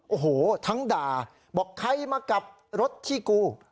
โอ้โหทั้งด่าบอกใครมากลับรถที่กู